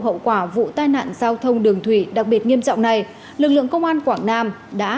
hậu quả vụ tai nạn giao thông đường thủy đặc biệt nghiêm trọng này lực lượng công an quảng nam đã